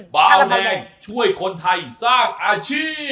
เบาแดงช่วยคนไทยสร้างอาชีพ